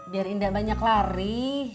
biar indah banyak lari